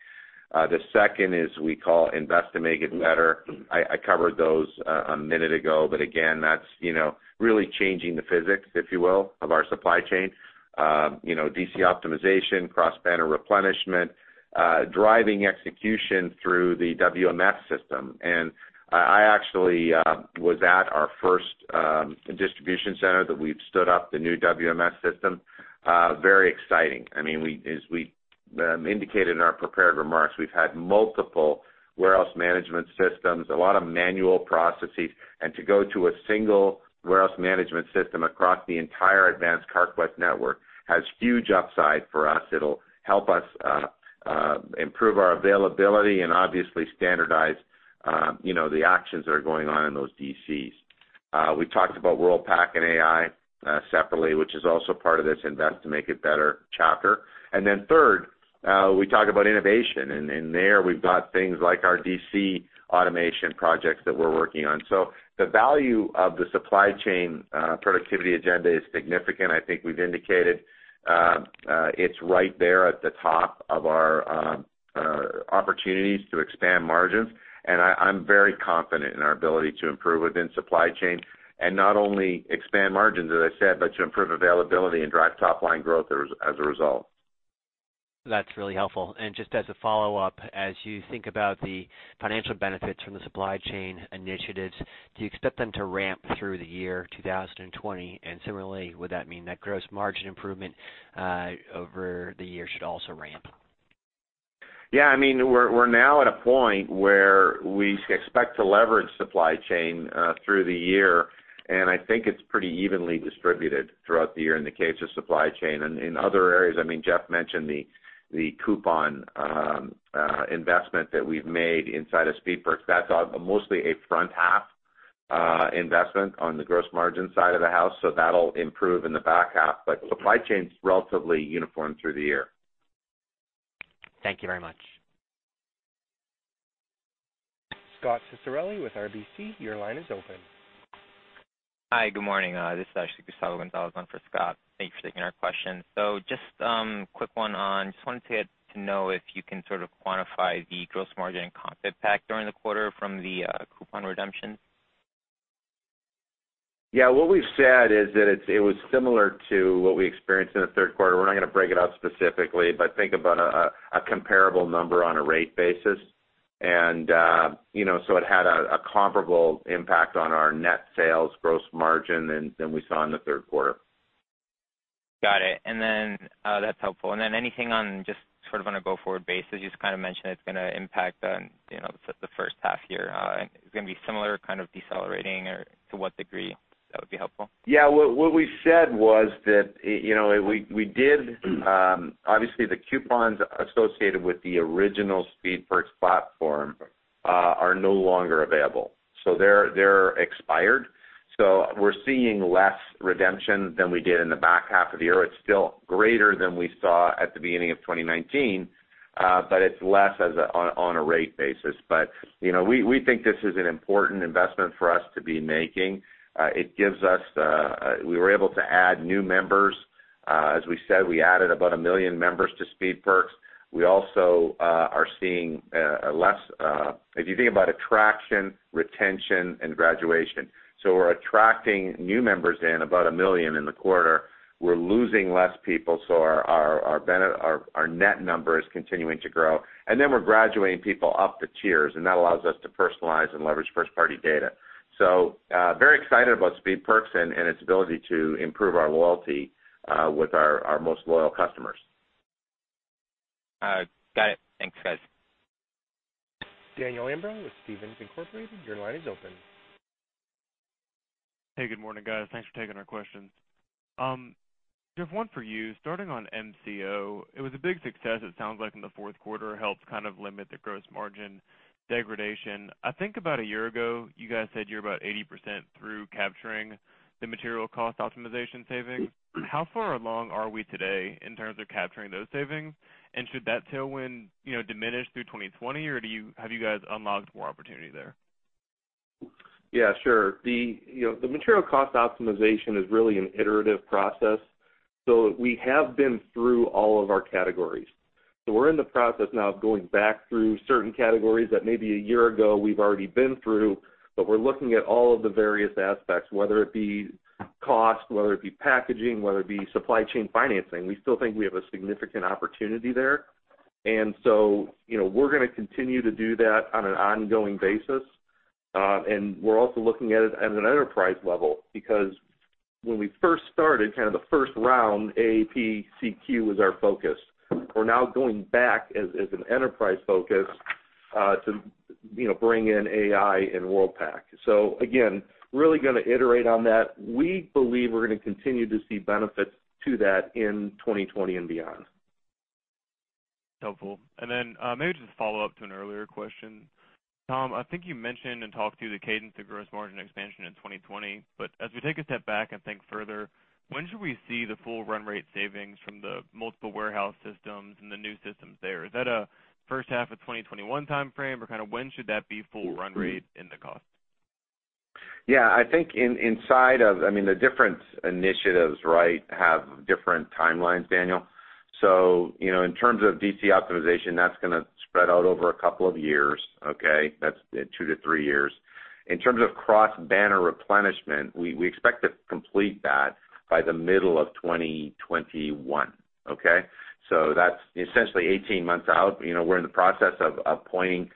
The second is, we call Invest to Make it Better. I covered those a minute ago. Again, that's really changing the physics, if you will, of our supply chain. DC optimization, cross-banner replenishment, driving execution through the WMS system. I actually was at our first distribution center that we've stood up the new WMS system. Very exciting. As we indicated in our prepared remarks, we've had multiple warehouse management systems, a lot of manual processes, and to go to a single warehouse management system across the entire Advance Carquest network has huge upside for us. It'll help us improve our availability and obviously standardize the actions that are going on in those DCs. We talked about Worldpac and AI separately, which is also part of this Invest to Make it Better chapter. Third, we talk about innovation. There, we've got things like our DC automation projects that we're working on. The value of the supply chain productivity agenda is significant. I think we've indicated it's right there at the top of our opportunities to expand margins, and I'm very confident in our ability to improve within supply chain. Not only expand margins, as I said, but to improve availability and drive top-line growth as a result. That's really helpful. Just as a follow-up, as you think about the financial benefits from the supply chain initiatives, do you expect them to ramp through the year 2020? Similarly, would that mean that gross margin improvement over the year should also ramp? We're now at a point where we expect to leverage supply chain through the year, and I think it's pretty evenly distributed throughout the year in the case of supply chain. In other areas, Jeff mentioned the coupon investment that we've made inside of Speed Perks. That's mostly a front half investment on the gross margin side of the house, so that'll improve in the back half, but supply chain's relatively uniform through the year. Thank you very much. Scot Ciccarelli with RBC, your line is open. Hi. Good morning. This is actually Gustavo Gonzalez on for Scot. Thank you for taking our question. Just quick one on, just wanted to know if you can sort of quantify the gross margin impact during the quarter from the coupon redemption? What we've said is that it was similar to what we experienced in the third quarter. We're not going to break it out specifically, but think about a comparable number on a rate basis. It had a comparable impact on our net sales gross margin than we saw in the third quarter. Got it. That's helpful. Anything on just sort of on a go-forward basis? You just kind of mentioned it's going to impact the first half year. Is it going to be similar, kind of decelerating, or to what degree? That would be helpful. Yeah. What we said was that obviously the coupons associated with the original Speed Perks platform are no longer available. They're expired. We're seeing less redemption than we did in the back half of the year. It's still greater than we saw at the beginning of 2019. It's less on a rate basis. We think this is an important investment for us to be making. We were able to add new members. As we said, we added about a million members to Speed Perks. If you think about attraction, retention, and graduation, we're attracting new members in, about a million in the quarter. We're losing less people. Our net number is continuing to grow. We're graduating people up the tiers, and that allows us to personalize and leverage first-party data. Very excited about Speed Perks and its ability to improve our loyalty with our most loyal customers. Got it. Thanks, guys. Daniel Imbro with Stephens Inc., your line is open. Hey, good morning, guys. Thanks for taking our questions. Jeff, one for you. Starting on MCO, it was a big success, it sounds like, in the fourth quarter. It helped limit the gross margin degradation. I think about a year ago, you guys said you're about 80% through capturing the Material Cost Optimization savings. How far along are we today in terms of capturing those savings? Should that tailwind diminish through 2020, or have you guys unlocked more opportunity there? Yeah, sure. The Material Cost Optimization is really an iterative process. We have been through all of our categories. We're in the process now of going back through certain categories that maybe a year ago we've already been through, but we're looking at all of the various aspects, whether it be cost, whether it be packaging, whether it be supply chain financing. We still think we have a significant opportunity there. We're going to continue to do that on an ongoing basis. We're also looking at it at an enterprise level, because when we first started, kind of the first round, AAP/CQ was our focus. We're now going back as an enterprise focus to bring in AI and Worldpac. Again, really going to iterate on that. We believe we're going to continue to see benefits to that in 2020 and beyond. Helpful. Then maybe just a follow-up to an earlier question. Tom, I think you mentioned and talked through the cadence of gross margin expansion in 2020, but as we take a step back and think further, when should we see the full run rate savings from the multiple warehouse systems and the new systems there? Is that a first half of 2021 timeframe, or when should that be full run rate in the cost? Yeah, the different initiatives have different timelines, Daniel. In terms of DC optimization, that's going to spread out over a couple of years. That's two to three years. In terms of cross-banner replenishment, we expect to complete that by the middle of 2021. That's essentially 18 months out. We're in the process of appointing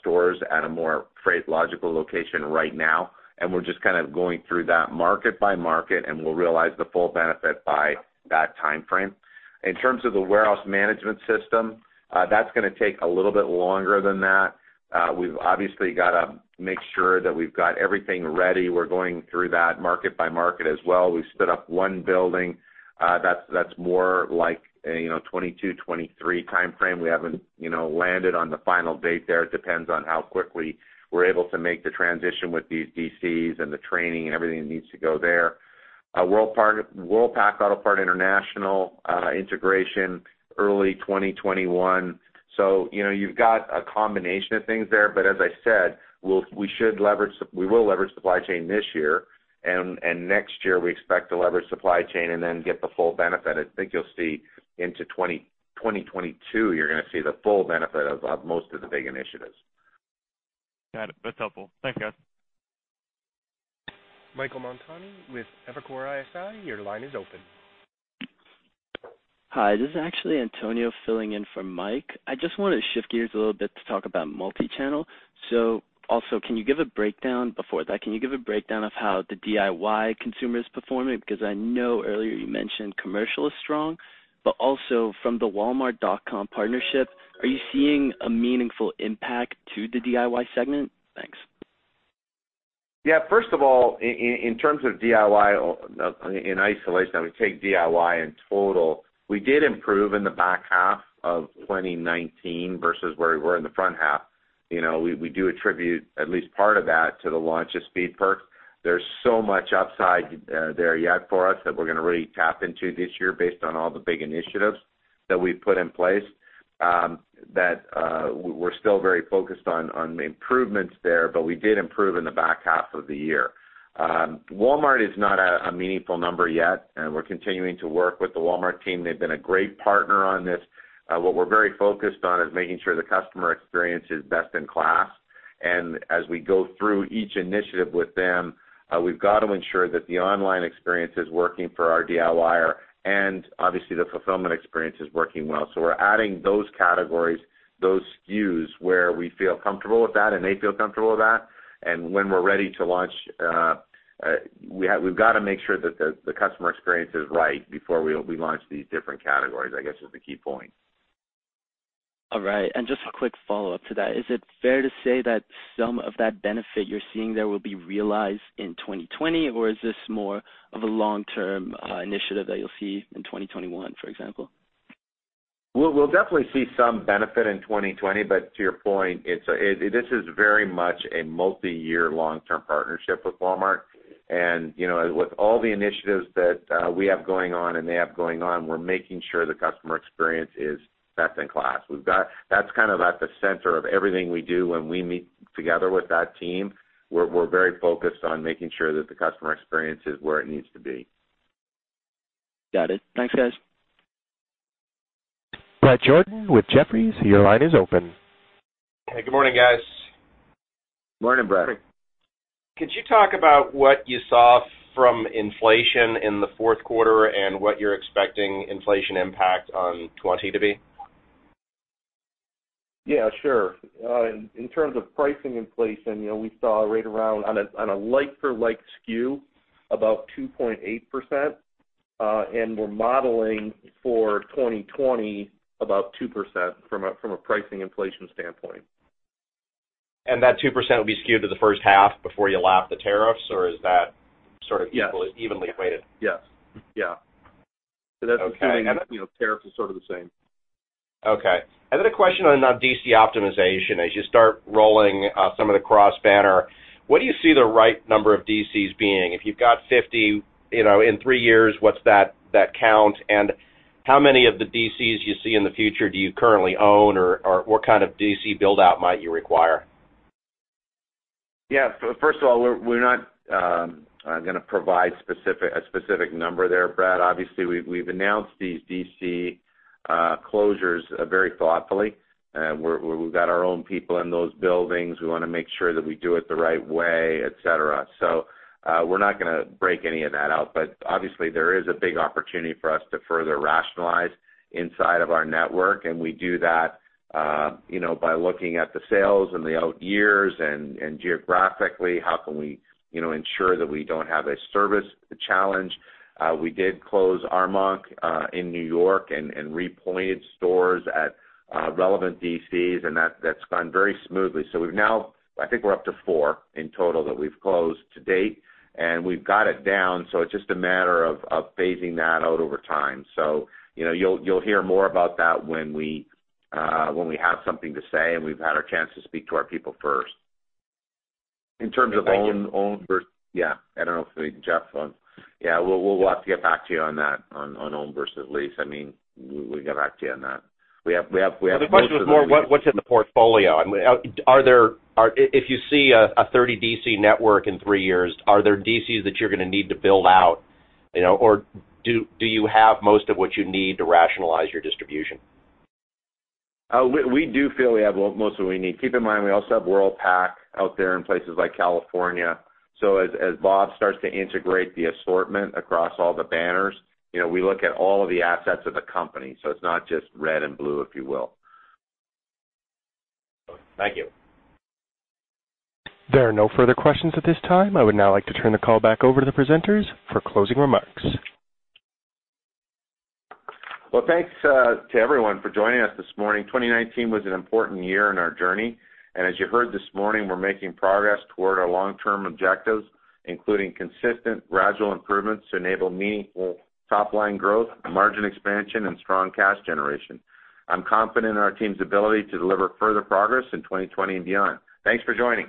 stores at a more freight logical location right now, and we're just kind of going through that market by market, and we'll realize the full benefit by that timeframe. In terms of the warehouse management system, that's going to take a little bit longer than that. We've obviously got to make sure that we've got everything ready. We're going through that market by market as well. We've stood up one building. That's more like a 2022, 2023 timeframe. We haven't landed on the final date there. It depends on how quickly we're able to make the transition with these DCs and the training and everything that needs to go there. Worldpac Autopart International integration early 2021. You've got a combination of things there, but as I said, we will leverage supply chain this year, and next year, we expect to leverage supply chain and then get the full benefit. I think you'll see into 2022, you're going to see the full benefit of most of the big initiatives. Got it. That's helpful. Thanks, guys. Michael Montani with Evercore ISI, your line is open. Hi, this is actually Antonio filling in for Mike. I just want to shift gears a little bit to talk about multi-channel. Before that, can you give a breakdown of how the DIY consumer is performing? Because I know earlier you mentioned commercial is strong, but also from the walmart.com partnership, are you seeing a meaningful impact to the DIY segment? Thanks. First of all, in terms of DIY in isolation, we take DIY in total, we did improve in the back half of 2019 versus where we were in the front half. We do attribute at least part of that to the launch of Speed Perks. There's so much upside there yet for us that we're going to really tap into this year based on all the big initiatives that we've put in place, that we're still very focused on improvements there, but we did improve in the back half of the year. Walmart is not a meaningful number yet. We're continuing to work with the Walmart team. They've been a great partner on this. What we're very focused on is making sure the customer experience is best in class, and as we go through each initiative with them, we've got to ensure that the online experience is working for our DIYer and obviously the fulfillment experience is working well. We're adding those categories, those SKUs where we feel comfortable with that and they feel comfortable with that. When we're ready to launch, we've got to make sure that the customer experience is right before we launch these different categories, I guess, is the key point. All right. Just a quick follow-up to that. Is it fair to say that some of that benefit you're seeing there will be realized in 2020, or is this more of a long-term initiative that you'll see in 2021, for example? We'll definitely see some benefit in 2020. To your point, this is very much a multi-year long-term partnership with Walmart. With all the initiatives that we have going on and they have going on, we're making sure the customer experience is best in class. That's at the center of everything we do when we meet together with that team. We're very focused on making sure that the customer experience is where it needs to be. Got it. Thanks, guys. Bret Jordan with Jefferies, your line is open. Hey, good morning, guys. Morning, Bret. Could you talk about what you saw from inflation in the fourth quarter and what you're expecting inflation impact on 2020 to be? Yeah, sure. In terms of pricing inflation, we saw right around, on a like for like SKU, about 2.8%, and we're modeling for 2020 about 2% from a pricing inflation standpoint. That 2% will be skewed to the first half before you lap the tariffs, or is that sort of? evenly weighted? Yes. Yeah. Okay. That's assuming tariffs is sort of the same. Okay. A question on DC optimization. As you start rolling some of the cross-banner, what do you see the right number of DCs being? If you've got 50 in three years, what's that count and how many of the DCs you see in the future do you currently own, or what kind of DC build-out might you require? Yeah. First of all, we're not going to provide a specific number there, Bret. We've announced these DC closures very thoughtfully. We've got our own people in those buildings. We want to make sure that we do it the right way, et cetera. We're not going to break any of that out. Obviously, there is a big opportunity for us to further rationalize inside of our network, and we do that by looking at the sales and the out years and geographically, how can we ensure that we don't have a service challenge. We did close Armonk in New York and re-pointed stores at relevant DCs, and that's gone very smoothly. We've now, I think we're up to four in total that we've closed to date, and we've got it down, so it's just a matter of phasing that out over time. You'll hear more about that when we have something to say and we've had our chance to speak to our people first. Thank you. In terms of own versus. Yeah, I don't know if Jeff. Yeah, we'll have to get back to you on that, on own versus lease. We'll get back to you on that. We have. The question is more what's in the portfolio? If you see a 30 DC network in three years, are there DCs that you're going to need to build out, or do you have most of what you need to rationalize your distribution? We do feel we have most of what we need. Keep in mind, we also have Worldpac out there in places like California. As Bob starts to integrate the assortment across all the banners, we look at all of the assets of the company. It's not just red and blue, if you will. Thank you. There are no further questions at this time. I would now like to turn the call back over to the presenters for closing remarks. Well, thanks to everyone for joining us this morning. 2019 was an important year in our journey, and as you heard this morning, we're making progress toward our long-term objectives, including consistent gradual improvements to enable meaningful top line growth, margin expansion and strong cash generation. I'm confident in our team's ability to deliver further progress in 2020 and beyond. Thanks for joining.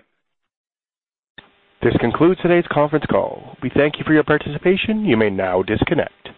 This concludes today's conference call. We thank you for your participation. You may now disconnect.